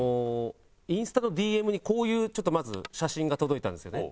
インスタのＤＭにこういうちょっとまず写真が届いたんですよね。